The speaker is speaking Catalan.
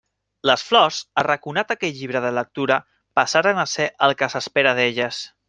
Les flors, arraconat aquell llibre de lectura, passaren a ser el que s'espera d'elles.